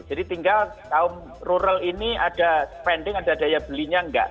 jadi tinggal kaum rural ini ada spending ada daya belinya enggak